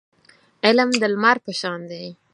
علم د لمر په شان دی.